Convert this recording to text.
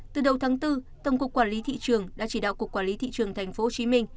từ đầu tháng bốn tổng cục quản lý thị trường đã chỉ đạo cục quản lý thị trường tp hcm